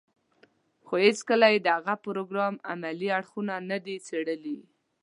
خو هېڅکله يې د هغه پروګرام عملي اړخونه نه دي څېړلي.